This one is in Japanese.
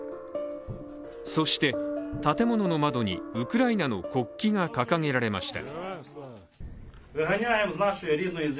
そして建物の窓にウクライナの国旗が掲げられました。